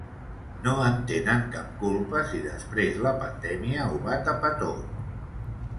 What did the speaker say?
No en tenen cap culpa si després la pandèmia ho va tapar tot!